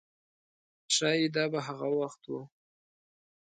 ښایي دا به هغه وخت و.